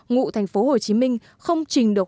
ngụ thành phố hồ chí minh không trình được